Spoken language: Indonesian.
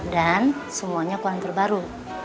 dan semuanya kualian terbaru